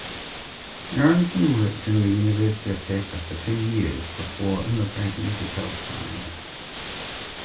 Aronson worked in the University of Dhaka for two years before immigrating to Palestine.